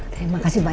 terima kasih mbak